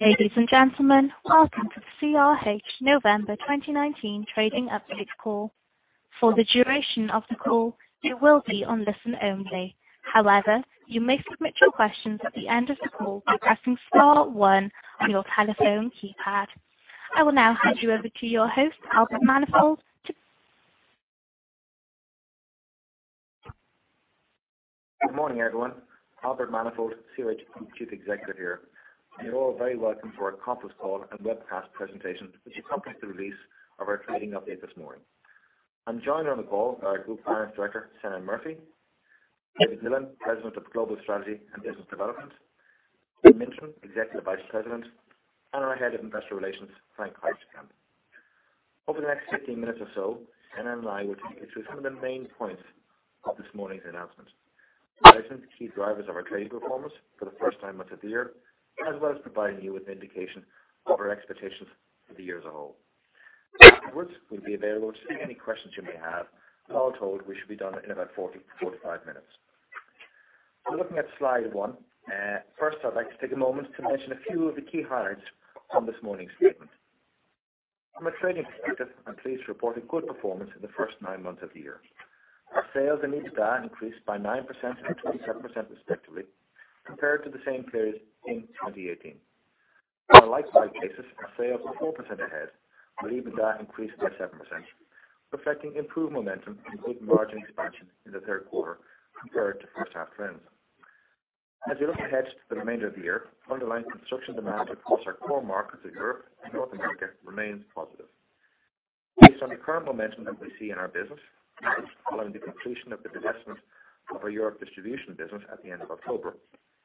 Ladies and gentlemen, welcome to the CRH November 2019 trading update call. For the duration of the call, you will be on listen only. However, you may submit your questions at the end of the call by pressing star one on your telephone keypad. I will now hand you over to your host, Albert Manifold. Good morning, everyone. Albert Manifold, CRH Group Chief Executive here, and you're all very welcome to our conference call and webcast presentation to accompany the release of our trading update this morning. I'm joined on the call by Group Finance Director, Senan Murphy; David Dillon, President of Global Strategy and Business Development; Paul Minchin, Executive Vice President; and our Head of Investor Relations, Frank Heuschkel. Over the next 15 minutes or so, Senan and I will take you through some of the main points of this morning's announcement, outlining the key drivers of our trading performance for the first nine months of the year, as well as providing you with an indication of our expectations for the year as a whole. Afterwards, we'll be available to take any questions you may have. All told, we should be done in about 40 to 45 minutes. Looking at slide one. First, I'd like to take a moment to mention a few of the key highlights from this morning's statement. From a trading perspective, I'm pleased to report a good performance in the first nine months of the year. Our sales and EBITDA increased by 9% and 27% respectively, compared to the same period in 2018. On a like-for-like basis, our sales were 4% ahead, while EBITDA increased by 7%, reflecting improved momentum and good margin expansion in the third quarter compared to first half trends. As we look ahead to the remainder of the year, underlying construction demand across our core markets of Europe and North America remains positive. Based on the current momentum that we see in our business, and following the completion of the divestment of our Europe Distribution business at the end of October,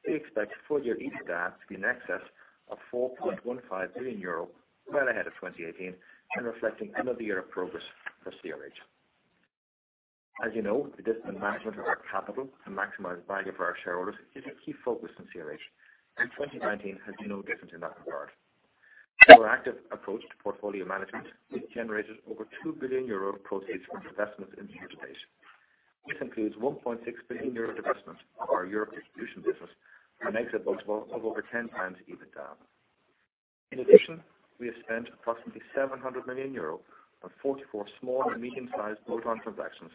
we expect full-year EBITDA to be in excess of 4.15 billion euro, well ahead of 2018 and reflecting another year of progress for CRH. As you know, the disciplined management of our capital to maximize value for our shareholders is a key focus in CRH, and 2019 has been no different in that regard. Our active approach to portfolio management has generated over 2 billion euro proceeds from divestments year to date. This includes 1.6 billion euro divestment of our Europe Distribution business, an exit multiple of over 10 times EBITDA. In addition, we have spent approximately 700 million euros on 44 small and medium-sized bolt-on transactions,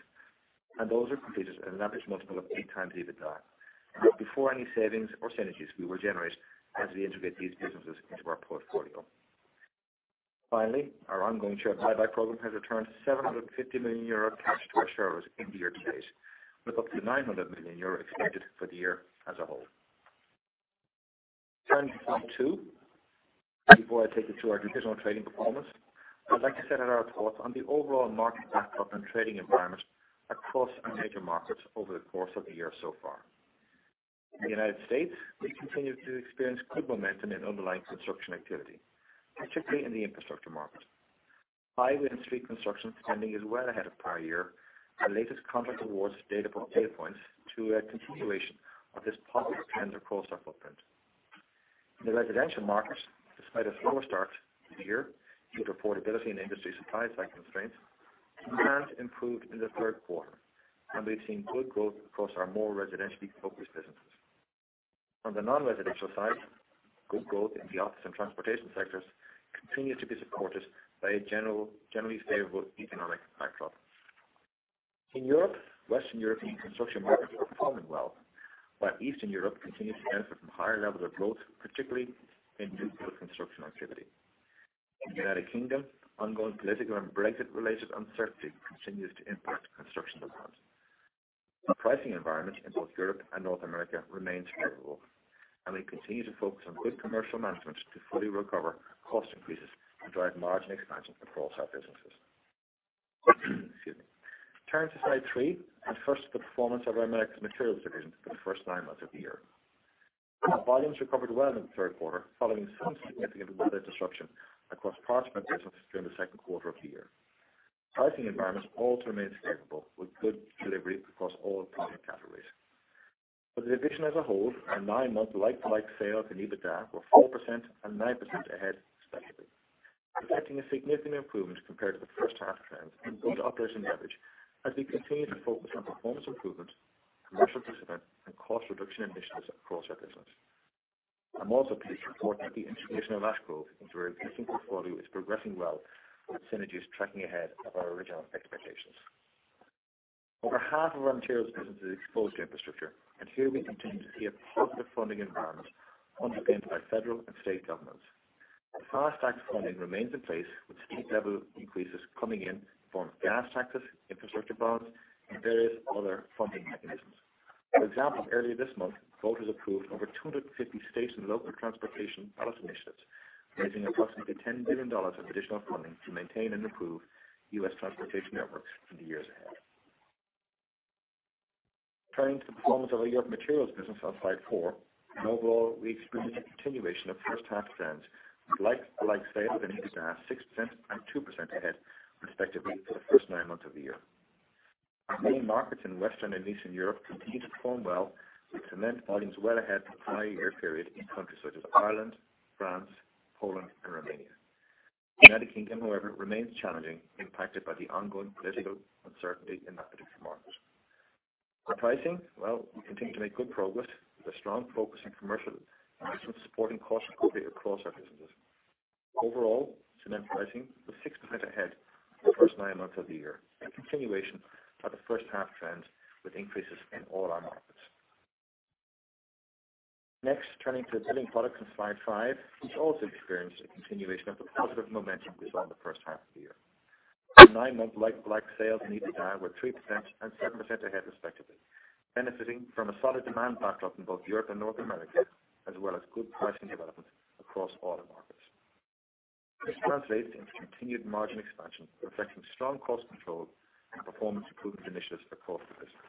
and those are completed at an average multiple of eight times EBITDA before any savings or synergies we will generate as we integrate these businesses into our portfolio. Finally, our ongoing share buyback program has returned 750 million euro cash to our shareholders in the year to date, with up to 900 million euro expected for the year as a whole. Turning to slide two, before I take you through our traditional trading performance, I'd like to set out our thoughts on the overall market backdrop and trading environment across our major markets over the course of the year so far. In the United States, we continue to experience good momentum in underlying construction activity, particularly in the infrastructure market. Highway and street construction spending is well ahead of prior year. Our latest contract awards data points to a continuation of this positive trend across our footprint. In the residential markets, despite a slower start to the year due to affordability and industry supply side constraints, demand improved in the third quarter, and we've seen good growth across our more residentially focused businesses. On the non-residential side, good growth in the office and transportation sectors continues to be supported by a generally favorable economic backdrop. In Europe, Western European construction markets are performing well, while Eastern Europe continues to benefit from higher levels of growth, particularly in new build construction activity. In the United Kingdom, ongoing political and Brexit-related uncertainty continues to impact construction demands. The pricing environment in both Europe and North America remains favorable, and we continue to focus on good commercial management to fully recover cost increases and drive margin expansion across our businesses. Excuse me. Turning to slide three, first the performance of our Americas Materials division for the first nine months of the year. Volumes recovered well in the third quarter, following some significant weather disruption across parts of our business during the second quarter of the year. Pricing environments also remains favorable with good delivery across all product categories. For the division as a whole, our nine-month like-for-like sales and EBITDA were 4% and 9% ahead, respectively, reflecting a significant improvement compared to the first half trends and good operating leverage as we continue to focus on performance improvement, commercial discipline, and cost reduction initiatives across our business. I'm also pleased to report that the integration of Ash Grove into our existing portfolio is progressing well, with synergies tracking ahead of our original expectations. Over half of our materials business is exposed to infrastructure, and here we continue to see a positive funding environment underpinned by federal and state governments. FAST Act funding remains in place with state-level increases coming in from gas taxes, infrastructure bonds, and various other funding mechanisms. For example, earlier this month, voters approved over 250 state and local transportation ballot initiatives, raising approximately $10 billion of additional funding to maintain and improve U.S. transportation networks in the years ahead. Turning to the performance of our Europe Materials business on slide four. Overall, we experienced a continuation of first half trends, with like-for-like sales and EBITDA 6% and 2% ahead respectively for the first nine months of the year. Our main markets in Western and Eastern Europe continued to perform well, with cement volumes well ahead of the prior year period in countries such as Ireland, France, Poland, and Romania. U.K., however, remains challenging, impacted by the ongoing political uncertainty in that particular market. On pricing, well, we continue to make good progress with a strong focus on commercial and additional supporting costs across our businesses. Overall, cement pricing was 6% ahead for the first nine months of the year, a continuation of the first half trends with increases in all our markets. Next, turning to Building Products on slide five, which also experienced a continuation of the positive momentum we saw in the first half of the year. Nine-month like-for-like sales and EBITDA were 3% and 7% ahead respectively, benefiting from a solid demand backdrop in both Europe and North America, as well as good pricing development across all our markets. This translates into continued margin expansion, reflecting strong cost control and performance improvement initiatives across the business.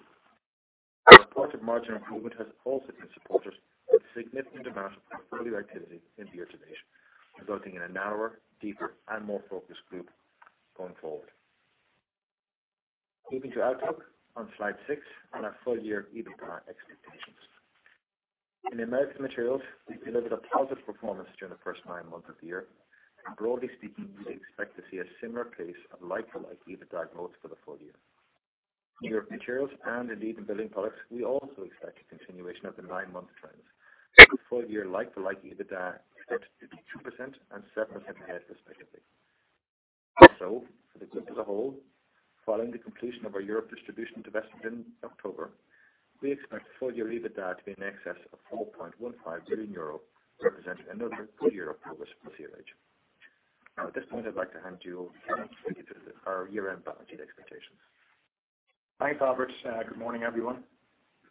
Our reported margin improvement has also been supported with significant investment portfolio activity in the year to date, resulting in a narrower, deeper, and more focused group going forward. Moving to outlook on slide six and our full-year EBITDA expectations. In Americas Materials, we've delivered a positive performance during the first nine months of the year. Broadly speaking, we expect to see a similar pace of like-for-like EBITDA growth for the full year. In Europe Materials and indeed in Building Products, we also expect a continuation of the nine-month trends, with full-year like-for-like EBITDA expected to be 2% and 7% ahead, respectively. For the group as a whole, following the completion of our Europe Distribution divestment in October, we expect full-year EBITDA to be in excess of 4.15 billion euro, representing another good year of progress for CRH. Now, at this point, I'd like to hand you to Senan to take you through our year-end balance sheet expectations. Thanks, Albert. Good morning, everyone.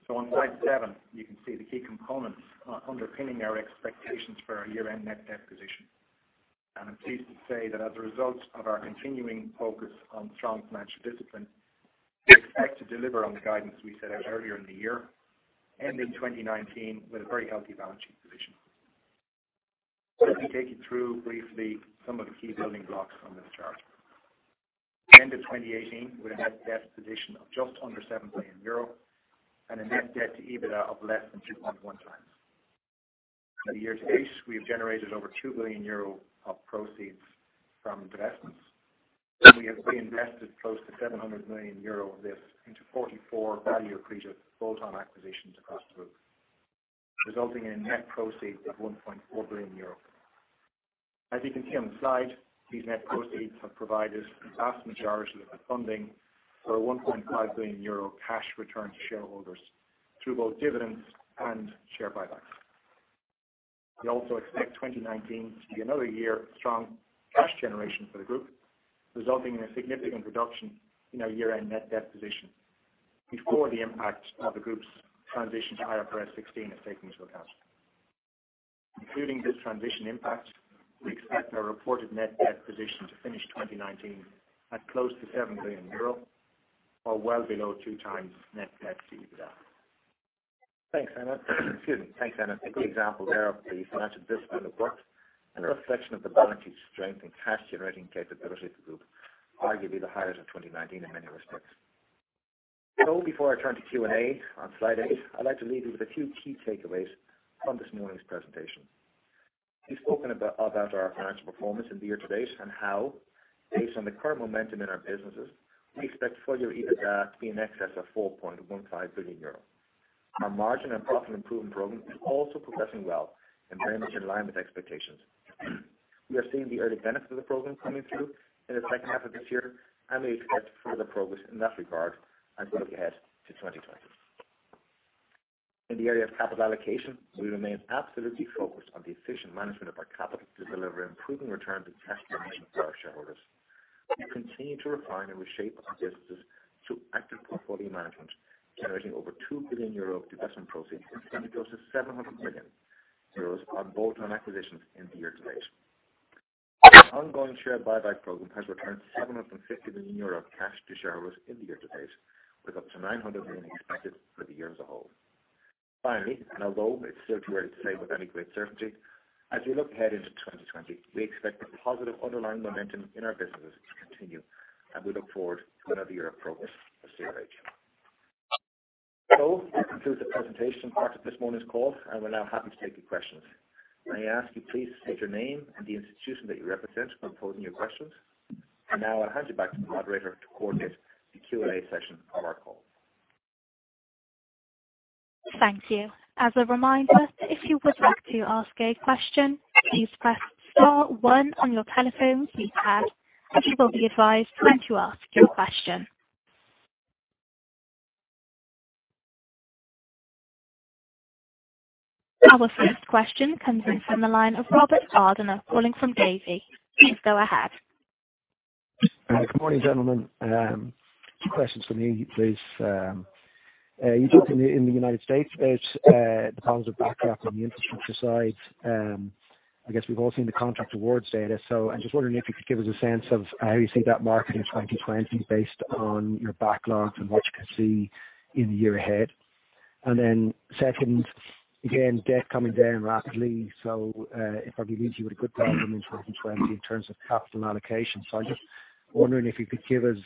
On slide seven, you can see the key components underpinning our expectations for our year-end net debt position. I'm pleased to say that as a result of our continuing focus on strong financial discipline, we expect to deliver on the guidance we set out earlier in the year, ending 2019 with a very healthy balance sheet position. Let me take you through briefly some of the key building blocks on this chart. At the end of 2018, we had a net debt position of just under 7 billion euro and a net debt to EBITDA of less than 2.1 times. In the year to date, we have generated over 2 billion euro of proceeds from divestments, and we have reinvested close to 700 million euro of this into 44 value-accretive bolt-on acquisitions across the group, resulting in net proceeds of 1.4 billion euros. As you can see on the slide, these net proceeds have provided the vast majority of the funding for a 1.5 billion euro cash return to shareholders through both dividends and share buybacks. We also expect 2019 to be another year of strong cash generation for the group, resulting in a significant reduction in our year-end net debt position before the impact of the group's transition to IFRS 16 is taken into account. Including this transition impact, we expect our reported net debt position to finish 2019 at close to 7 billion euro or well below two times net debt to EBITDA. Thanks, Senan. Excuse me. Thanks, Senan. A good example there of the financial discipline of the group and a reflection of the balance sheet strength and cash generating capability of the group, arguably the highest of 2019 in many respects. Before I turn to Q&A on slide eight, I'd like to leave you with a few key takeaways from this morning's presentation. We've spoken about our financial performance in the year to date and how, based on the current momentum in our businesses, we expect full-year EBITDA to be in excess of 4.15 billion euros. Our margin and profit improvement program is also progressing well and very much in line with expectations. We are seeing the early benefits of the program coming through in the second half of this year, and we expect further progress in that regard as we look ahead to 2020. In the area of capital allocation, we remain absolutely focused on the efficient management of our capital to deliver improving return to cash conversion for our shareholders. We continue to refine and reshape our businesses through active portfolio management, generating over 2 billion euro of divestment proceeds and close to 700 million euros on bolt-on acquisitions in the year to date. Our ongoing share buyback program has returned 750 million euro cash to shareholders in the year to date, with up to 900 million expected for the year as a whole. Although it's still too early to say with any great certainty, as we look ahead into 2020, we expect the positive underlying momentum in our businesses to continue, and we look forward to another year of progress for CRH. That concludes the presentation part of this morning's call, and we're now happy to take your questions. May I ask you please to state your name and the institution that you represent when posing your questions? Now I'll hand you back to the operator to coordinate the Q&A session of our call. Thank you. As a reminder, if you would like to ask a question, please press star one on your telephone keypad, and you will be advised when to ask your question. Our first question comes in from the line of Robert Gardiner calling from Davy. Please go ahead. Good morning, gentlemen. Two questions from me, please. You talked in the U.S. about the positive backdrop on the infrastructure side. I guess we've all seen the contract awards data. I'm just wondering if you could give us a sense of how you see that market in 2020 based on your backlog and what you can see in the year ahead. Second, again, debt coming down rapidly, so it probably leaves you with a good platform in 2020 in terms of capital allocation. I'm just wondering if you could give us,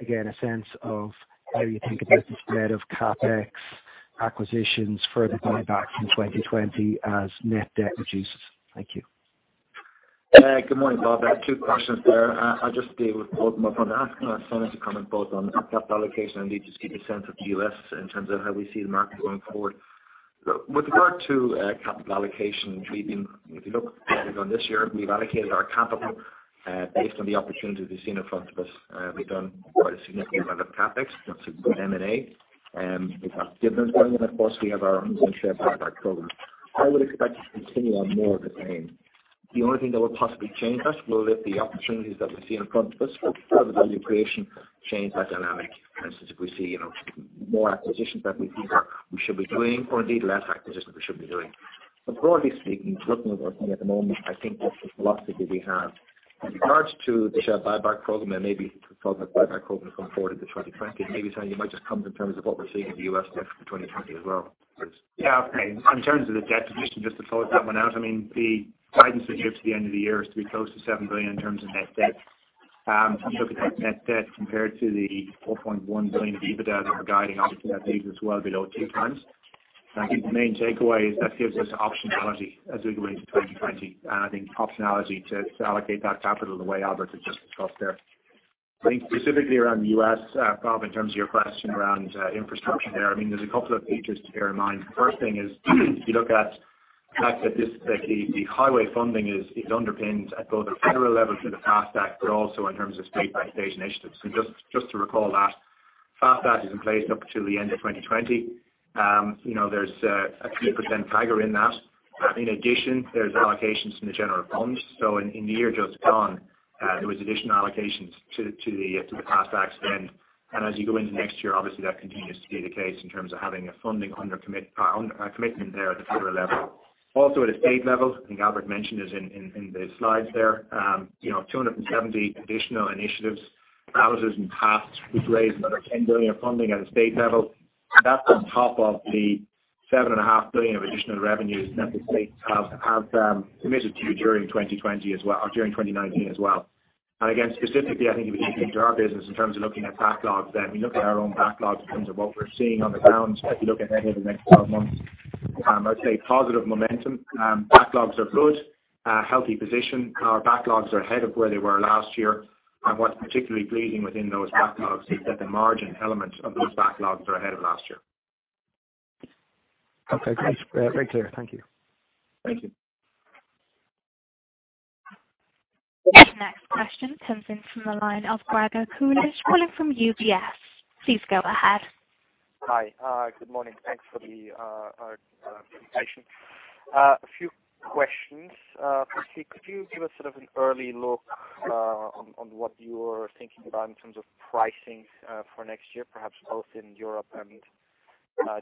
again, a sense of how you think about the spread of CapEx acquisitions further buybacks in 2020 as net debt reduces. Thank you. Good morning, Bob. I have two questions there. I'll just deal with both of them. I wanted to comment both on capital allocation and indeed just give a sense of the U.S. in terms of how we see the market going forward. With regard to capital allocation, if you look at what we've done this year, we've allocated our capital based on the opportunities we've seen in front of us. We've done quite a significant amount of CapEx, that's M&A. We have dividends going on, of course, we have our ongoing share buyback program. I would expect us to continue on more of the same. The only thing that will possibly change that will be the opportunities that we see in front of us. Will further value creation change that dynamic? For instance, if we see more acquisitions that we feel that we should be doing or indeed less acquisitions we should be doing. Broadly speaking, looking at where we are at the moment, I think that's the philosophy we have. With regards to the share buyback program and maybe talking about buyback program going forward into 2020, maybe, Senan, you might just comment in terms of what we're seeing in the U.S. with 2020 as well. In terms of the debt position, just to pull that one out, the guidance we give to the end of the year is to be close to $7 billion in terms of net debt. If you look at that net debt compared to the $4.1 billion of EBITDA that we're guiding, obviously that leaves us well below 2x. I think the main takeaway is that gives us optionality as we go into 2020, and I think optionality to allocate that capital the way Albert has just discussed there. I think specifically around the U.S., Bob, in terms of your question around infrastructure there's a couple of features to bear in mind. The first thing is if you look at the fact that the highway funding is underpinned at both a federal level through the FAST Act, also in terms of state-by-state initiatives. Just to recall that, FAST Act is in place up until the end of 2020. There's a 2% trigger in that. In addition, there's allocations from the general funds. In the year just gone, there was additional allocations to the FAST Act spend. As you go into next year, obviously that continues to be the case in terms of having a funding commitment there at the federal level. Also at a state level, I think Albert mentioned this in the slides there, 270 additional initiatives, ballot initiatives and paths, which raise another 10 billion of funding at a state level. That's on top of the 7.5 billion of additional revenues that the states have committed to during 2019 as well. Again, specifically, I think if you think to our business in terms of looking at backlogs, we look at our own backlogs in terms of what we're seeing on the ground as we look ahead over the next 12 months. I'd say positive momentum. Backlogs are good, healthy position. Our backlogs are ahead of where they were last year. What's particularly pleasing within those backlogs is that the margin element of those backlogs are ahead of last year. Okay. That's very clear. Thank you. Thank you. Next question comes in from the line of Gregor Kuglitsch calling from UBS. Please go ahead. Hi. Good morning. Thanks for the presentation. A few questions. Firstly, could you give us sort of an early look on what you're thinking about in terms of pricing for next year, perhaps both in Europe and the U.S.?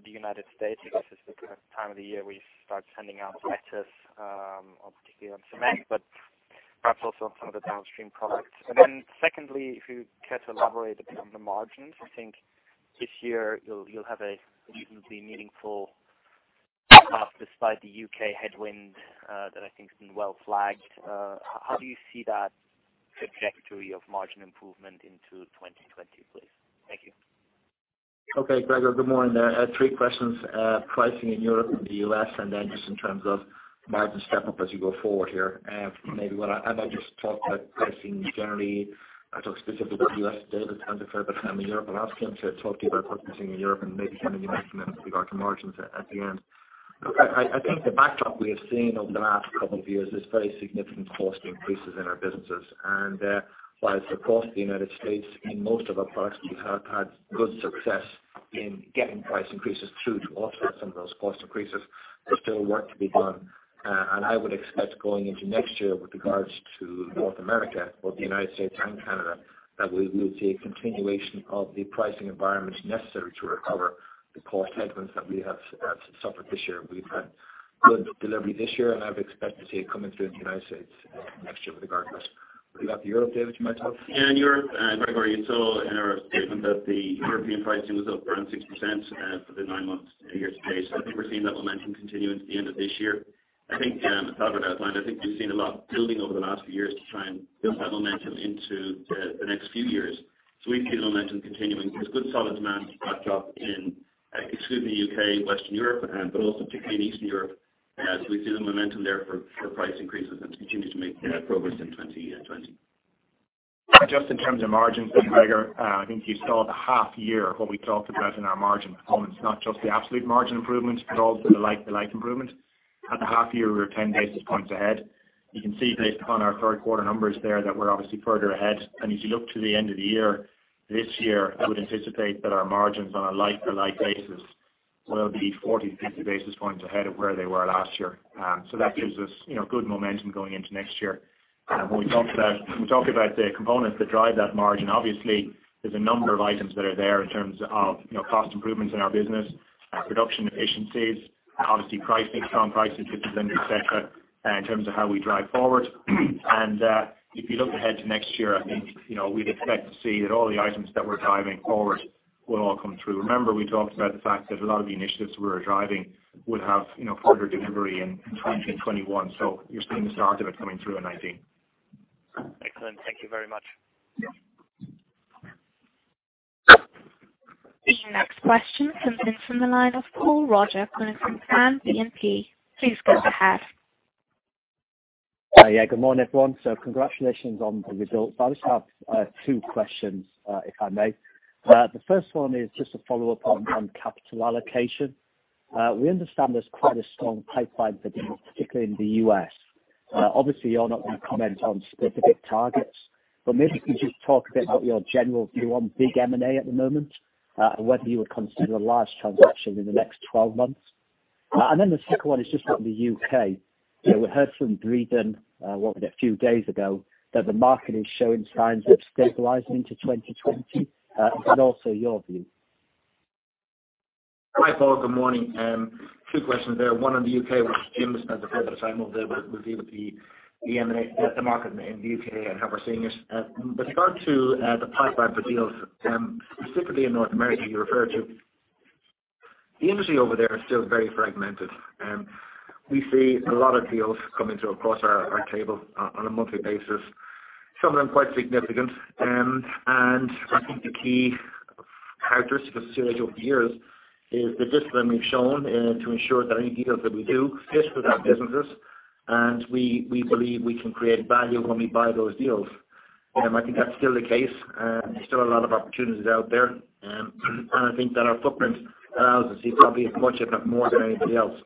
I guess it's the kind of time of the year we start sending out letters, particularly on cement, but perhaps also on some of the downstream products. Secondly, if you care to elaborate a bit on the margins, I think this year you'll have a reasonably meaningful path despite the U.K. headwind that I think has been well flagged. How do you see that trajectory of margin improvement into 2020, please? Thank you. Okay, Gregor, good morning there. Three questions, pricing in Europe and the U.S., then just in terms of margin step-up as you go forward here. Maybe why don't I just talk about pricing generally. I'll talk specifically about U.S., David, the third about Europe. I'll ask him to talk to you about pricing in Europe maybe Senan, you mention then with regard to margins at the end. I think the backdrop we have seen over the last couple of years is very significant cost increases in our businesses. Whilst across the United States, in most of our products, we have had good success in getting price increases through to offset some of those cost increases, there's still work to be done. I would expect going into next year with regards to North America, both the United States and Canada, that we will see a continuation of the pricing environments necessary to recover the cost headwinds that we have suffered this year. We’ve had good delivery this year, and I would expect to see it coming through in the United States next year with regard to that. With regard to Europe, David, you might talk? Yeah, in Europe, Gregor, you saw in our statement that the European pricing was up around 6% for the nine months year to date. I think we're seeing that momentum continue into the end of this year. I think as Albert outlined, I think we've seen a lot building over the last few years to try and build that momentum into the next few years. We see the momentum continuing. There's good solid demand backdrop in excluding the U.K., Western Europe, but also particularly in Eastern Europe. We see the momentum there for price increases and to continue to make progress in 2020. Just in terms of margins then, Gregor, I think you saw the half year, what we talked about in our margin performance, not just the absolute margin improvements, but also the like-for-like improvement. At the half year, we were 10 basis points ahead. You can see based upon our third quarter numbers there that we're obviously further ahead. As you look to the end of the year, this year, I would anticipate that our margins on a like-for-like basis will be 40 to 50 basis points ahead of where they were last year. That gives us good momentum going into next year. When we talk about the components that drive that margin, obviously, there's a number of items that are there in terms of cost improvements in our business, production efficiencies, obviously price mix, on pricing, mix, et cetera, in terms of how we drive forward. If you look ahead to next year, I think we'd expect to see that all the items that we're driving forward will all come through. Remember, we talked about the fact that a lot of the initiatives we were driving would have further delivery in 2021. You're seeing the start of it coming through in 2019. Excellent. Thank you very much. The next question comes in from the line of Paul Roger calling from Exane BNP Paribas. Please go ahead. Yeah. Good morning, everyone. Congratulations on the results. I just have two questions if I may. The first one is just a follow-up on capital allocation. We understand there's quite a strong pipeline for deals, particularly in the U.S. Obviously, you're not going to comment on specific targets, but maybe if you could just talk a bit about your general view on big M&A at the moment, and whether you would consider a large transaction in the next 12 months. The second one is just on the U.K. We heard from Breedon, what was it, a few days ago, that the market is showing signs of stabilizing into 2020. I'd also your view. Hi, Paul. Good morning. Two questions there. One on the U.K., which Jim has spent a fair bit of time over there with the M&A, the market in the U.K. and how we're seeing it. With regard to the pipeline for deals, specifically in North America, the industry over there is still very fragmented. We see a lot of deals coming through across our table on a monthly basis, some of them quite significant. I think the key characteristic of CRH over the years is the discipline we've shown to ensure that any deals that we do fit with our businesses, and we believe we can create value when we buy those deals. I think that's still the case. There's still a lot of opportunities out there, and I think that our footprint allows us to see probably as much of it, more than anybody else.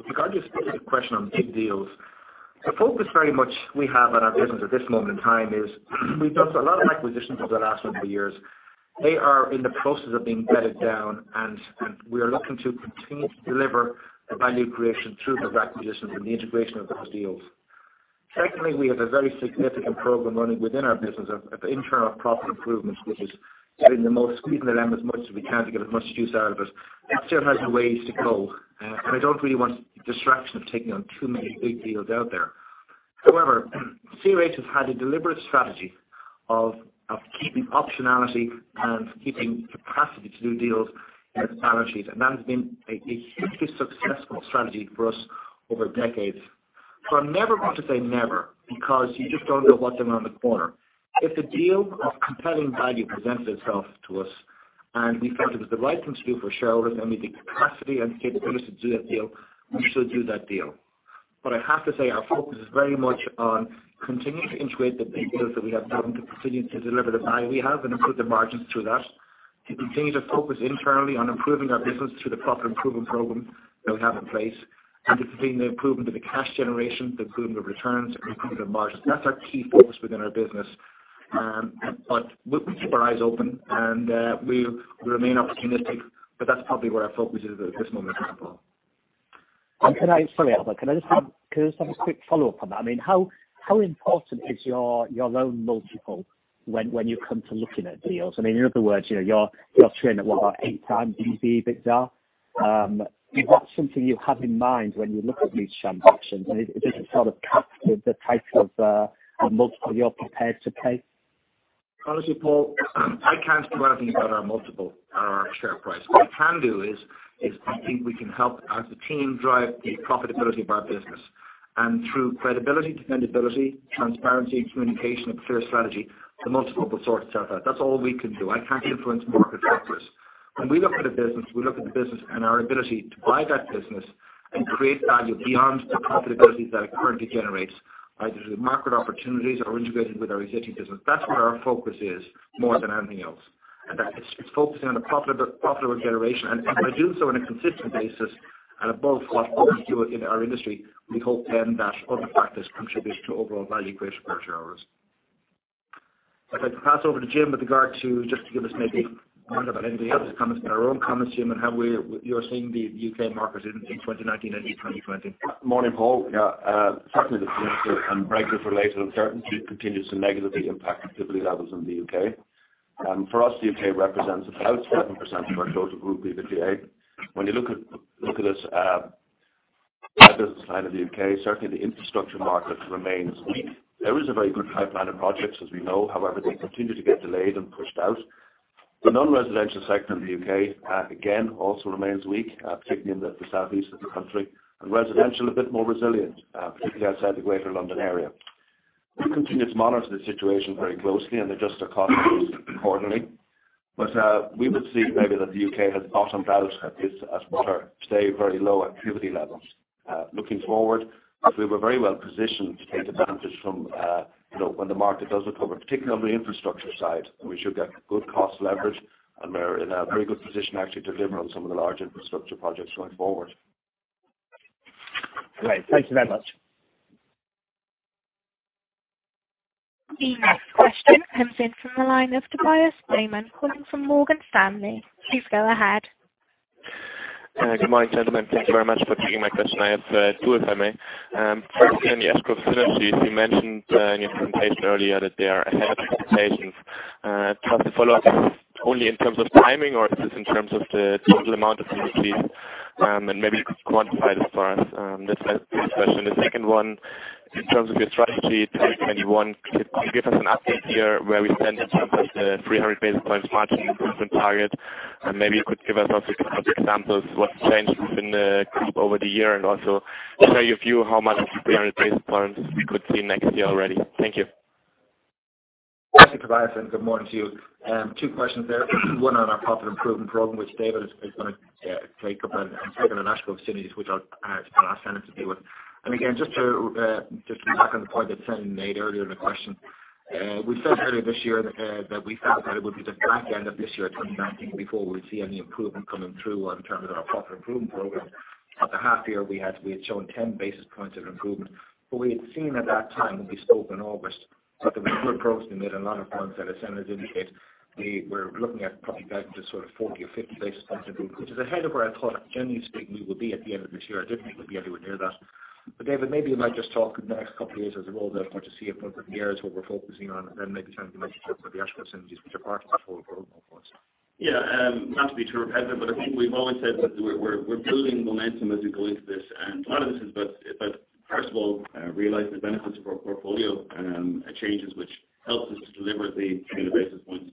With regard to your specific question on big deals, the focus very much we have on our business at this moment in time is we've done a lot of acquisitions over the last number of years. They are in the process of being bedded down. We are looking to continue to deliver the value creation through those acquisitions and the integration of those deals. Secondly, we have a very significant program running within our business of internal profit improvements, which is getting the most, squeezing the lemon as much as we can to get as much juice out of it. It still has a ways to go. I don't really want the distraction of taking on too many big deals out there. CRH has had a deliberate strategy of keeping optionality and keeping capacity to do deals in the balance sheet, and that has been a hugely successful strategy for us over decades. I never want to say never because you just don't know what's around the corner. If a deal of compelling value presents itself to us and we felt it was the right thing to do for shareholders and we have the capacity and capability to do that deal, we should do that deal. I have to say, our focus is very much on continuing to integrate the big deals that we have done to continue to deliver the value we have and improve the margins through that, to continue to focus internally on improving our business through the profit improvement program that we have in place, and to continue the improvement of the cash generation, the improvement of returns, improvement of margins. That's our key focus within our business. We keep our eyes open and we remain opportunistic, but that's probably where our focus is at this moment in time, Paul. Sorry, Albert, can I just have a quick follow-up on that? How important is your own multiple when you come to looking at deals? In other words, you're trading at what, about 8 times EBITDA? Is that something you have in mind when you look at these transactions? Is there a sort of cap with the type of multiple you're prepared to pay? Honestly, Paul, I can't speak about our multiple or our share price. What I can do is, I think we can help as a team drive the profitability of our business. Through credibility, dependability, transparency, communication, and clear strategy, the multiple will sort itself out. That's all we can do. I can't influence market factors. When we look at a business, we look at the business and our ability to buy that business and create value beyond the profitability that it currently generates, either through market opportunities or integrating with our existing business. That's where our focus is more than anything else. That it's focusing on the profitable generation. By doing so on a consistent basis and above what others do it in our industry, we hope then that all the factors contribute to overall value creation for our shareholders. If I could pass over to Jim with regard to just to give us maybe, I don't know about anybody else's comments, but our own comments, Jim, and how you're seeing the U.K. market in 2019 and 2020. Morning, Paul. Yeah. Certainly, the political and Brexit-related uncertainty continues to negatively impact activity levels in the U.K. For us, the U.K. represents about 7% of our total group EBITDA. When you look at this business line in the U.K., certainly the infrastructure market remains weak. There is a very good pipeline of projects, as we know. However, they continue to get delayed and pushed out. The non-residential sector in the U.K., again, also remains weak, particularly in the southeast of the country, and residential a bit more resilient, particularly outside the greater London area. We continue to monitor the situation very closely and adjust our cost base accordingly. We would see maybe that the U.K. has bottomed out at this, as what are, say, very low activity levels. Looking forward, we're very well positioned to take advantage from when the market does recover, particularly on the infrastructure side. We should get good cost leverage, and we're in a very good position actually to deliver on some of the large infrastructure projects going forward. Great. Thank you very much. The next question comes in from the line of Tobias Leymann calling from Morgan Stanley. Please go ahead. Good morning, gentlemen. Thank you very much for taking my question. I have two, if I may. First, on the Ash Grove synergies, you mentioned in your presentation earlier that they are ahead of expectations. Just to follow up, is this only in terms of timing, or is this in terms of the total amount of facilities? Maybe you could quantify this for us. That's my first question. The second one, in terms of your strategy 2021, can you give us an update here where we stand in terms of the 300 basis points margin improvement target? Maybe you could give us also a couple of examples what's changed within the group over the year, also share your view how much of the 300 basis points we could see next year already. Thank you. Tobias, good morning to you. two questions there. One on our profit improvement program, which David is going to take up, and second on Ash Grove synergies, which I'll ask Brendan to deal with. Again, just to tack on the point that Senan made earlier in the question, we said earlier this year that we felt that it would be the back end of this year, 2019, before we'd see any improvement coming through in terms of our profit improvement program. At the half year, we had shown 10 basis points of improvement. We had seen at that time, when we spoke in August, that there were good progress being made on a lot of fronts that, as Senan has indicated, we were looking at probably getting to sort of 40 or 50 basis points improvement, which is ahead of where I thought, generally speaking, we would be at the end of this year. I didn't think we'd be anywhere near that. David, maybe you might just talk the next couple of years as a whole, therefore, to see if that's the areas where we're focusing on, and then maybe Senan can mention about the Ash Grove synergies, which are part of that whole program for us. Yeah. Not to be too repetitive, but I think we've always said that we're building momentum as we go into this. A lot of this is about, first of all, realizing the benefits of our portfolio changes, which helps us to deliberately achieve the basis points.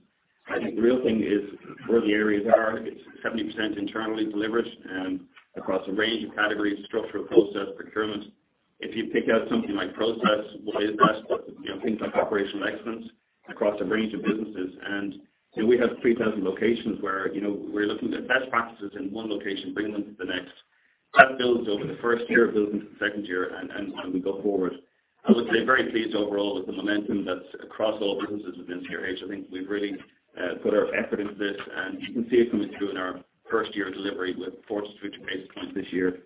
I think the real thing is where the areas are. It's 70% internally delivered and across a range of categories, structural process, procurement. If you pick out something like process, what is that? Things like operational excellence across a range of businesses. We have 3,000 locations where we're looking at best practices in one location, bringing them to the next. That builds over the first year, it builds into the second year and as we go forward. I would say very pleased overall with the momentum that's across all businesses within CRH. I think we've really put our effort into this, and you can see it coming through in our first-year delivery with 40 to 50 basis points this year.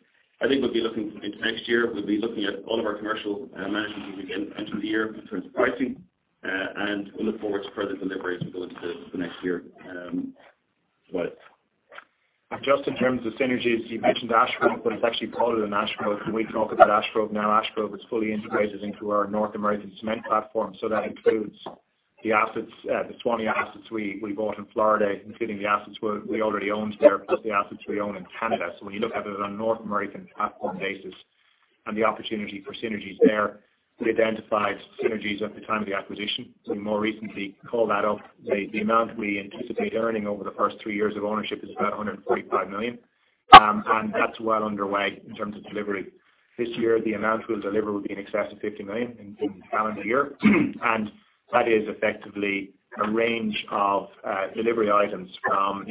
I think we'll be looking into next year. We'll be looking at all of our commercial management as we get into the year in terms of pricing, and we'll look forward to further deliveries as we go into the next year as well. Just in terms of synergies, you mentioned Ash Grove, but it's actually broader than Ash Grove. We can talk about Ash Grove now. Ash Grove is fully integrated into our North American cement platform. That includes the 20 assets we bought in Florida, including the assets we already owned there, plus the assets we own in Canada. When you look at it on a North American platform basis and the opportunity for synergies there, we identified synergies at the time of the acquisition. We more recently called that up. The amount we anticipate earning over the first three years of ownership is about $145 million, and that's well underway in terms of delivery. This year, the amount we'll deliver will be in excess of $50 million in calendar year. That is effectively a range of delivery items from,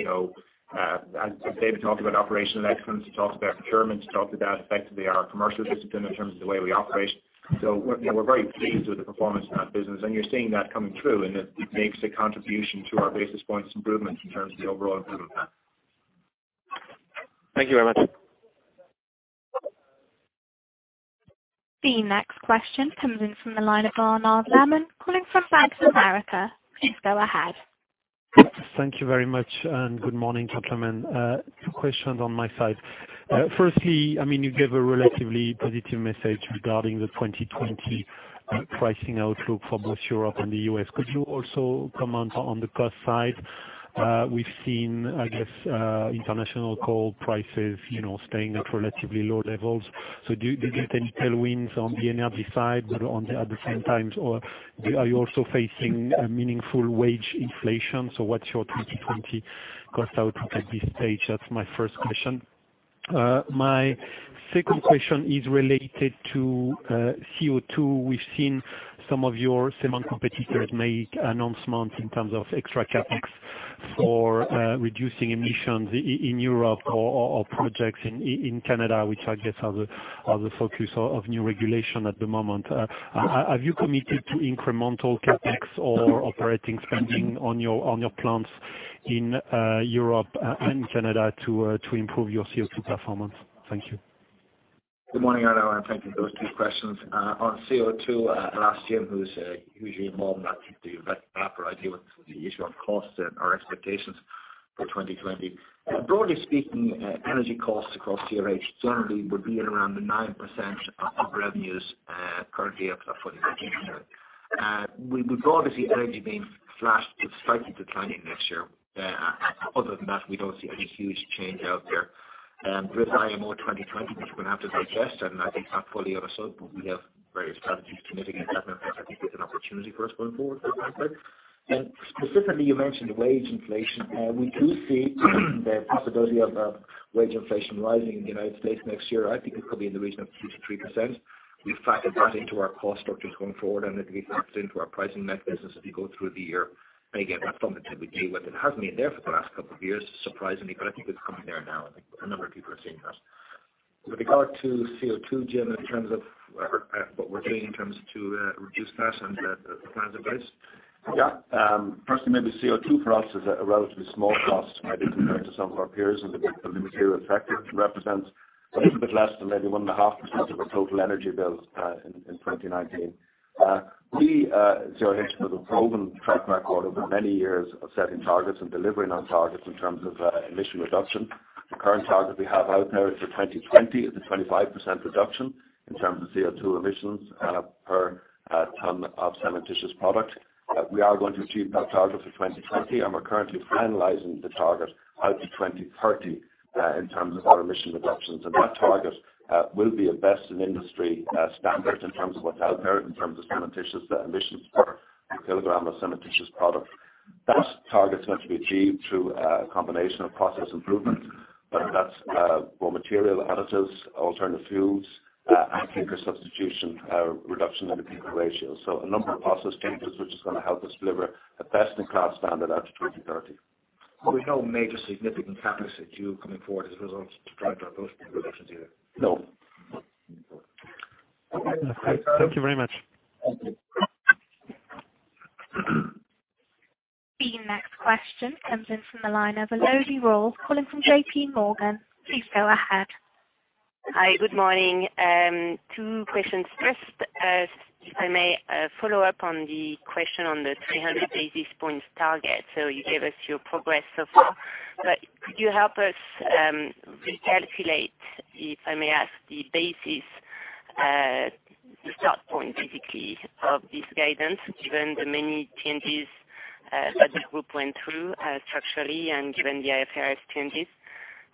as David talked about operational excellence, he talked about procurement, he talked about effectively our commercial discipline in terms of the way we operate. We're very pleased with the performance in that business, and you're seeing that coming through, and it makes a contribution to our basis points improvement in terms of the overall improvement plan. Thank you very much. The next question comes in from the line of Arnaud Lehmann, calling from Bank of America. Please go ahead. Thank you very much, and good morning, gentlemen. Two questions on my side. Firstly, you gave a relatively positive message regarding the 2020 pricing outlook for both Europe and the U.S. Could you also comment on the cost side? We've seen, I guess, international coal prices staying at relatively low levels. Do you get any tailwinds on the energy side, but at the same time, are you also facing a meaningful wage inflation? What's your 2020 cost outlook at this stage? That's my first question. My second question is related to CO2. We've seen some of your cement competitors make announcements in terms of extra CapEx for reducing emissions in Europe or projects in Canada, which I guess are the focus of new regulation at the moment. Have you committed to incremental CapEx or operating spending on your plants in Europe and Canada to improve your CO2 performance? Thank you. Good morning, Arnaud, thank you for those two questions. On CO2, ask Jim, who's usually involved in that, to do that, I deal with the issue on costs and our expectations for 2020. Broadly speaking, energy costs across CRH generally would be at around the 9% of revenues currently for the budget this year. We broadly see energy being flat to slightly declining next year. Other than that, we don't see any huge change out there. With IMO 2020, which we're going to have to digest, I think that fully also, we have various strategies committed in that, I think it's an opportunity for us going forward for the time frame. Specifically, you mentioned wage inflation. We do see the possibility of wage inflation rising in the U.S. next year. I think it could be in the region of two to 3%. We've factored that into our cost structures going forward, and it'll be factored into our pricing mechanisms as we go through the year. Again, that's something that we deal with. It has been there for the last couple of years, surprisingly, but I think it's coming there now. I think a number of people are seeing that. With regard to CO2, Jim, in terms of what we're doing in terms to reduce that and the plans in place. Yeah. Personally, maybe CO2 for us is a relatively small cost item compared to some of our peers and the material effect it represents. A little bit less than maybe 1.5% of our total energy bill in 2019. We, CRH, have a proven track record over many years of setting targets and delivering on targets in terms of emission reduction. The current target we have out there is for 2020, is a 25% reduction in terms of CO2 emissions per ton of cementitious product. We are going to achieve that target for 2020, and we're currently finalizing the target out to 2030 in terms of our emission reductions. That target will be a best in industry standard in terms of what's out there in terms of cementitious emissions per kilogram of cementitious product. That target is going to be achieved through a combination of process improvement, that's raw material additives, alternative fuels, and clinker substitution, reduction in the clinker ratio. A number of process changes, which is going to help us deliver a best-in-class standard out to 2030. There's no major significant CapEx that you coming forward as a result to drive down those reductions either? No. Okay. Thank you very much. Thank you. The next question comes in from the line of Elodie Rall calling from J.P. Morgan. Please go ahead. Hi, good morning. Two questions. First, if I may follow up on the question on the 300 basis points target. You gave us your progress so far, could you help us recalculate, if I may ask, the basis, the start point basically of this guidance, given the many changes that the group went through structurally and given the IFRS changes?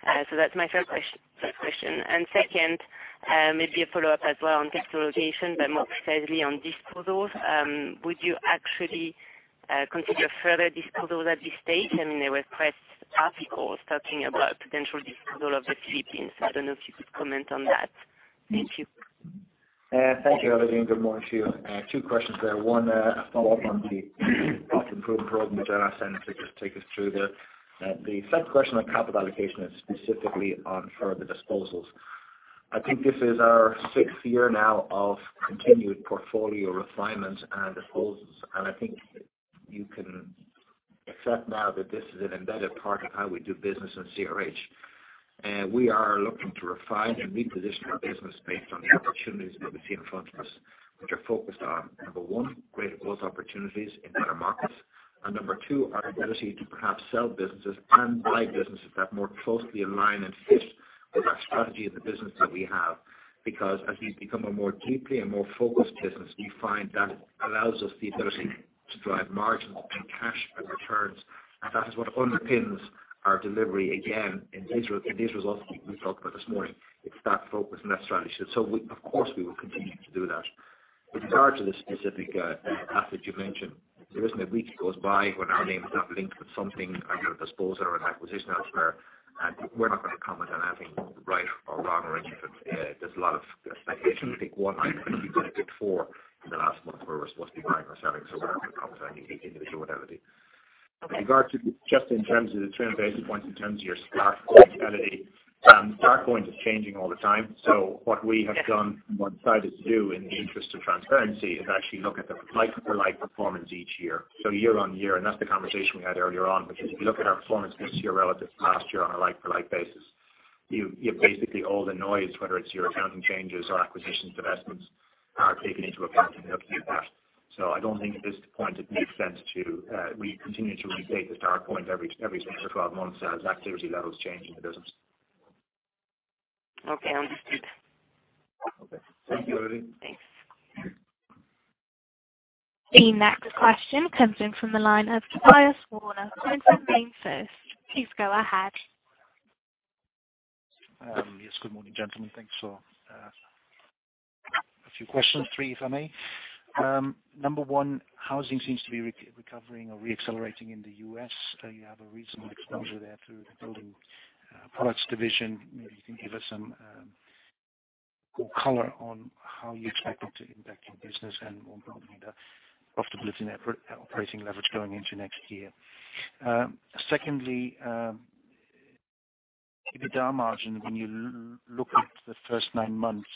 That's my first question. Second, maybe a follow-up as well on capital allocation, more precisely on disposals. Would you actually consider further disposals at this stage? There were press articles talking about potential disposal of the Philippines. I don't know if you could comment on that. Thank you. Thank you, Elodie, and good morning to you. Two questions there. One, a follow-up on the cost improvement program, which I will ask Senan to take us through there. The second question on capital allocation is specifically on further disposals. I think this is our sixth year now of continued portfolio refinement and disposals. I think you can accept now that this is an embedded part of how we do business in CRH. We are looking to refine and reposition our business based on the opportunities that we see in front of us. Which are focused on, number one, great growth opportunities in better markets. Number two, our ability to perhaps sell businesses and buy businesses that more closely align and fit with our strategy of the business that we have. As we become a more deeply and more focused business, we find that allows us the ability to drive margins and cash and returns, and that is what underpins our delivery, again, in these results we talked about this morning. It's that focus and that strategy. Of course, we will continue to do that. With regard to the specific asset you mentioned, there isn't a week goes by when our name is not linked with something under a disposal or an acquisition elsewhere. We're not going to comment on anything right or wrong or interesting. There's a lot of speculation. Pick one item, you've got a pick four in the last month where we're supposed to be buying or selling. We're not going to comment on any individual entity. Okay. With regard to just in terms of the term basis points in terms of your start point, Elodie. Start point is changing all the time. What we have done and what we've decided to do in the interest of transparency is actually look at the like-for-like performance each year, so year-on-year. That's the conversation we had earlier on, which is if you look at our performance this year relative to last year on a like-for-like basis, you have basically all the noise, whether it's your accounting changes or acquisitions, divestments are taken into account when you look at that. I don't think at this point it makes sense to, we continue to restate the start point every six or 12 months as activity levels change in the business. Okay. Understood. Okay. Thank you, Elodie. Thanks. The next question comes in from the line of Tobias Wörner calling from MainFirst. Please go ahead. Yes, good morning, gentlemen. Thanks. A few questions. Three, if I may. Number one, housing seems to be recovering or re-accelerating in the U.S. You have a reasonable exposure there through the Building Products division. Maybe you can give us some good color on how you expect it to impact your business and more importantly, the profitability and operating leverage going into next year. Secondly, EBITDA margin, when you look at the first nine months,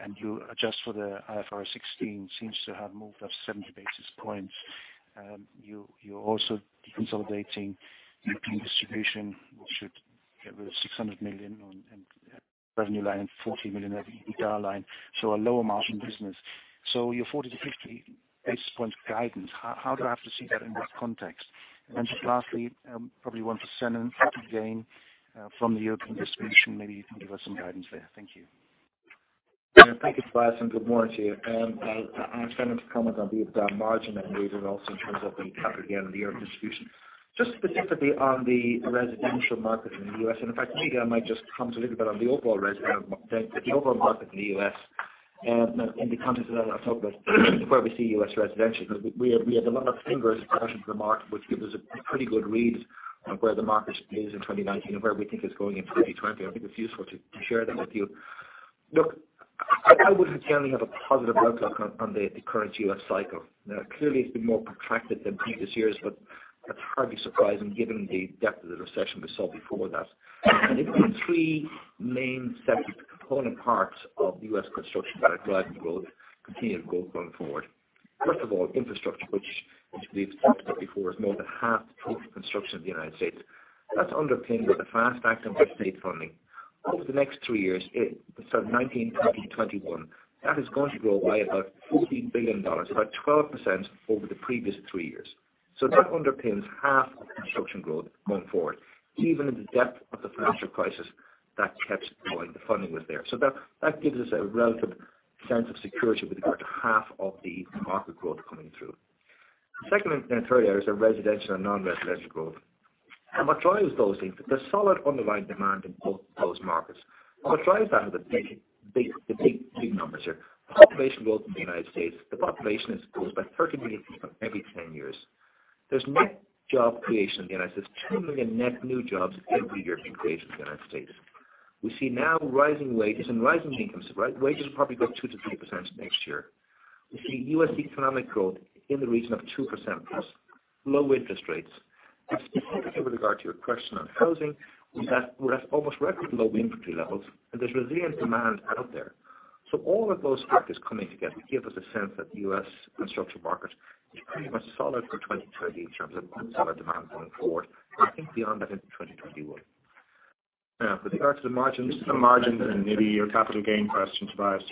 and you adjust for the IFRS 16, seems to have moved up 70 basis points. You're also deconsolidating Europe Distribution, which should get rid of 600 million on revenue line and 40 million EBITDA line. A lower margin business. Your 40 to 50 basis points guidance, how do I have to see that in this context? Just lastly, probably one for Senan. To gain from the Europe Distribution, maybe you can give us some guidance there. Thank you. Thank you, Tobias, and good morning to you. I'll ask Senan to comment on the EBITDA margin and maybe results in terms of the CapEx gain in the Europe Distribution. Just specifically on the residential market in the U.S. In fact, maybe I might just comment a little bit on the overall residential market, the overall market in the U.S. in the context of that. I'll talk about where we see U.S. residential, because we have a lot of fingers across the market, which give us a pretty good read on where the market is in 2019 and where we think it's going in 2020. I think it's useful to share that with you. Look, I would generally have a positive outlook on the current U.S. cycle. Clearly it's been more protracted than previous years, but that's hardly surprising given the depth of the recession we saw before that. There are three main separate component parts of U.S. construction that are driving growth, continued growth going forward. First of all, infrastructure, which we've talked about before, is more than half the total construction of the United States. That's underpinned with the FAST Act infrastructure funding. Over the next three years, so 2019, 2020, 2021, that is going to grow by about $14 billion, about 12% over the previous three years. That underpins half of the construction growth going forward. Even in the depth of the financial crisis that kept going. The funding was there. That gives us a relative sense of security with regard to half of the market growth coming through. The second and third areas are residential and non-residential growth. What drives those things, there's solid underlying demand in both those markets. What drives that are the big numbers there. Population growth in the United States, the population grows by 30 million people every 10 years. There's net job creation in the United States, 2 million net new jobs every year being created in the United States. We see now rising wages and rising incomes. Wages will probably grow 2% to 3% next year. We see U.S. economic growth in the region of 2% plus. Low interest rates. With regard to your question on housing, we have almost record low inventory levels, and there's resilient demand out there. All of those factors coming together give us a sense that the U.S. construction market is pretty much solid for 2023 in terms of solid demand going forward, and I think beyond that into 2024. For the margins and maybe your capital gain question, Tobias,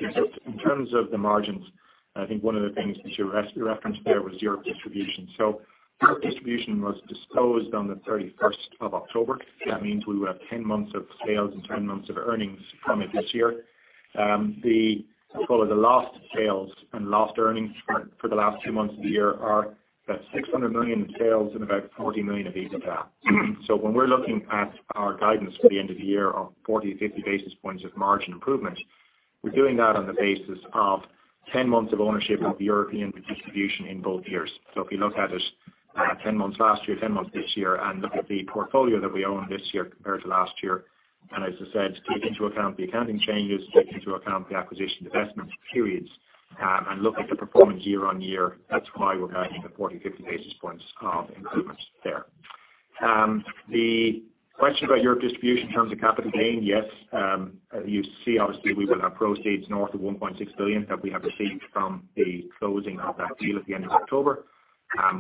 in terms of the margins, I think one of the things that you referenced there was Europe Distribution. Europe Distribution was disposed on the 31st of October. That means we will have 10 months of sales and 10 months of earnings from it this year. The lost sales and lost earnings for the last two months of the year are about 600 million in sales and about 40 million of EBITDA. When we're looking at our guidance for the end of the year of 40-50 basis points of margin improvement, we're doing that on the basis of 10 months of ownership of Europe Distribution in both years. If you look at it, 10 months last year, 10 months this year, and look at the portfolio that we own this year compared to last year, and as I said, take into account the accounting changes, take into account the acquisition divestment periods, and look at the performance year on year, that's why we're guiding at 40, 50 basis points of improvement there. The question about Europe Distribution in terms of capital gain, yes. You see, obviously, we will have proceeds north of 1.6 billion that we have received from the closing of that deal at the end of October.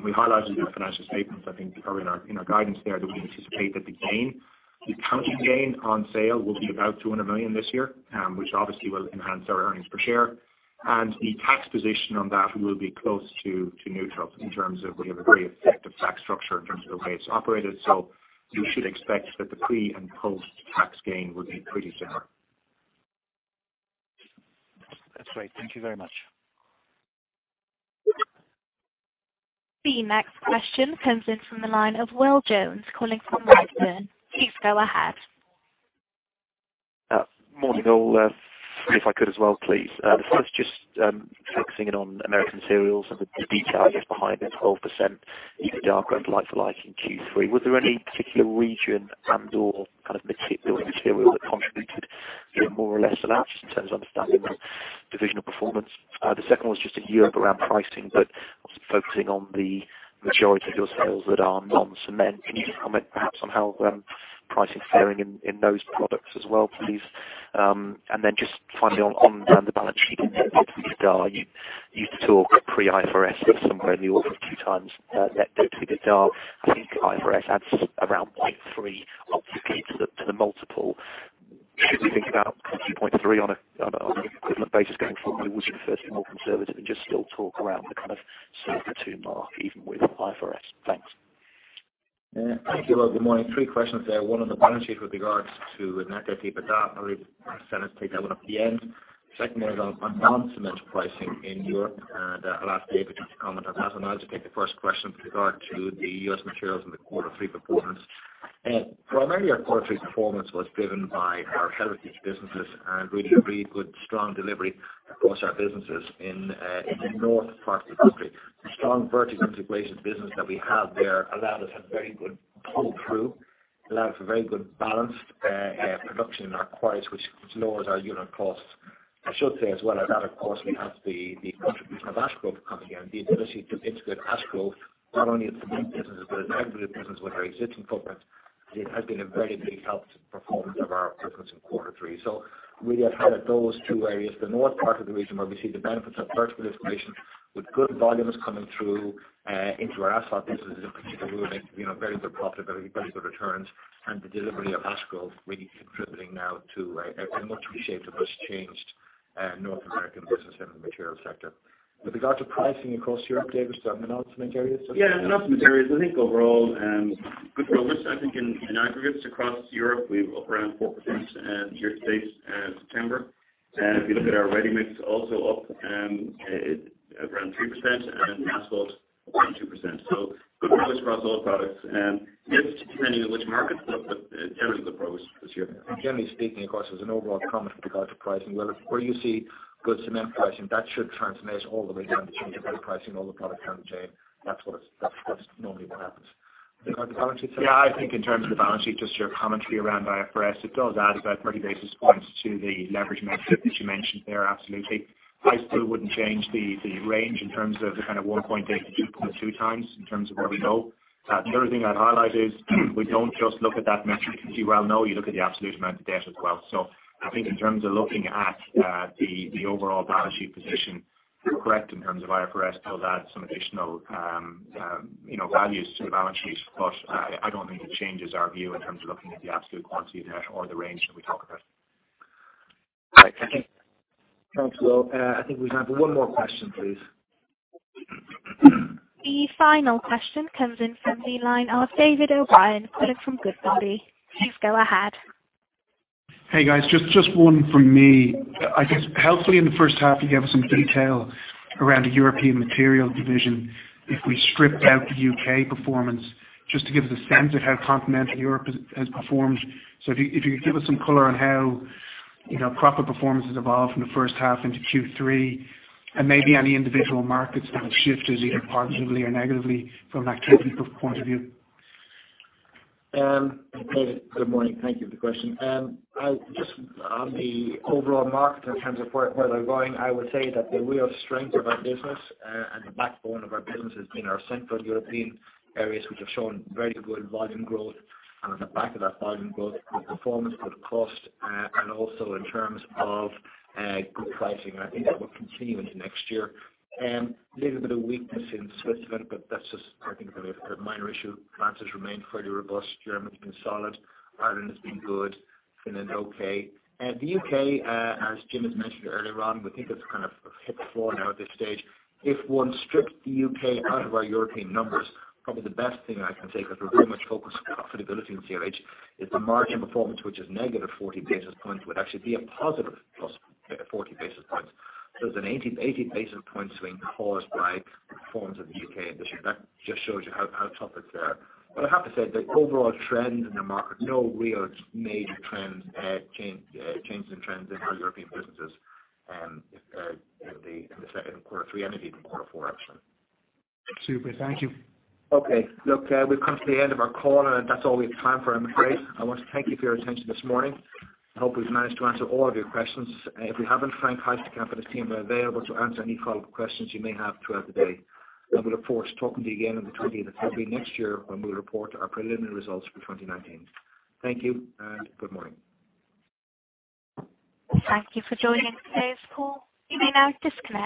We highlighted the financial statements, I think, in our guidance there that we anticipate that the gain, the accounting gain on sale will be about 200 million this year, which obviously will enhance our earnings per share. The tax position on that will be close to neutral in terms of we have a very effective tax structure in terms of the way it's operated. You should expect that the pre- and post-tax gain would be pretty similar. That's great. Thank you very much. The next question comes in from the line of Will Jones calling from Redburn. Please go ahead. Morning, all. If I could as well, please. The first, just focusing in on Americas Materials and the detail, I guess, behind the 12% EBITDA growth like-for-like in Q3, was there any particular region and/or kind of material that contributed more or less to that, just in terms of understanding that divisional performance? The second one is just in Europe around pricing, but obviously focusing on the majority of your sales that are non-cement. Can you just comment perhaps on how pricing is fairing in those products as well, please? Just finally on the balance sheet and net debt to EBITDA, you talk pre-IFRS of somewhere in the order of 2x net debt to EBITDA. I think IFRS adds around 0.3 odds to the multiple. Should we think about 2.3 on an equivalent basis going forward, or would you prefer to be more conservative and just still talk around the kind of sort of the two mark even with IFRS? Thanks. Thank you, Will. Good morning. Three questions there. One on the balance sheet with regards to net debt to EBITDA. Maybe, Senan, take that one at the end. Second one is on non-cement pricing in Europe. I'll ask David just to comment on that. I'll just take the first question with regard to the U.S. Materials and the quarter 3 performance. Primarily, our quarter 3 performance was driven by our heritage businesses and really good strong delivery across our businesses in the north part of the country. The strong vertical integration business that we have there allowed us a very good pull through, allowed for very good balanced production in our quarries, which lowers our unit costs. I should say as well, that of course we have the contribution of Ash Grove coming in. The ability to integrate Ash Grove not only at the cement businesses but as aggregate business with our existing footprint, it has been a very big help to performance of our business in quarter three. Really, I'd highlight those two areas, the north part of the region where we see the benefits of vertical integration with good volumes coming through into our asphalt businesses in particular, we were making very good profitability, very good returns, and the delivery of Ash Grove really contributing now to a much reshaped, a much-changed North American business in the material sector. With regard to pricing across Europe, David, on the non-cement areas. Yeah, non-cement areas, I think overall, good progress. I think in aggregates across Europe, we're up around 4% year-to-date September. If you look at our ready-mix, also up around 3%, and asphalt up around 2%. Good progress across all products. It's depending on which markets, but generally good progress this year. Generally speaking, of course, as an overall comment with regard to pricing, where you see good cement pricing, that should translate all the way down the chain to good pricing on all the products down the chain. That's normally what happens. With regard to balance sheet, Senan. Yeah, I think in terms of the balance sheet, just your commentary around IFRS, it does add about 30 basis points to the leverage metric that you mentioned there, absolutely. I still wouldn't change the range in terms of the kind of 1.8 to 2.2 times in terms of where we go. The other thing I'd highlight is we don't just look at that metric. As you well know, you look at the absolute amount of debt as well. I think in terms of looking at the overall balance sheet position, you're correct in terms of IFRS does add some additional values to the balance sheet. I don't think it changes our view in terms of looking at the absolute quantity of debt or the range that we talk about. Thanks, Will. I think we have one more question, please. The final question comes in from the line of David O'Byrne calling from Goodbody. Please go ahead. Hey guys, just one from me. I guess, helpfully in the first half, you gave us some detail around the Europe Materials division. If we stripped out the U.K. performance, just to give us a sense of how continental Europe has performed. If you could give us some color on how profit performance has evolved from the first half into Q3, and maybe any individual markets that have shifted either positively or negatively from that category point of view. Hey, good morning. Thank you for the question. Just on the overall market in terms of where they're going, I would say that the real strength of our business and the backbone of our business has been our central European areas, which have shown very good volume growth. On the back of that volume growth, good performance, good cost, and also in terms of good pricing. I think that will continue into next year. A little bit of weakness in Switzerland, but that's just, I think, a minor issue. France has remained fairly robust. Germany's been solid. Ireland has been good. Finland, okay. The U.K., as Jim has mentioned earlier on, we think it's kind of hit the floor now at this stage. If one stripped the U.K. out of our European numbers, probably the best thing I can say, because we're very much focused on profitability in CRH, is the margin performance, which is negative 40 basis points, would actually be a positive plus 40 basis points. There's an 80 basis point swing caused by performance of the U.K. this year. That just shows you how tough it's there. I have to say, the overall trend in the market, no real major changes in trends in our European businesses in the quarter 3 and even quarter 4, actually. Super. Thank you. Okay. Look, we've come to the end of our call, and that's all we have time for. I'm afraid I want to thank you for your attention this morning. I hope we've managed to answer all of your questions. If we haven't, Frank Heuschkel and his team are available to answer any follow-up questions you may have throughout the day. We look forward to talking to you again on the 20th of February next year, when we report our preliminary results for 2019. Thank you and good morning. Thank you for joining today's call. You may now disconnect.